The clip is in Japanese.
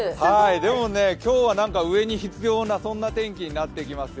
でも今日は何か必要な、そんな天気になっていきますよ。